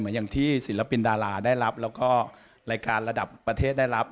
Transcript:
อย่างที่ศิลปินดาราได้รับแล้วก็รายการระดับประเทศได้รับ